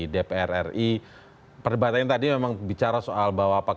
terima kasih terima kasih pak